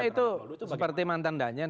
itu seperti mantan danjen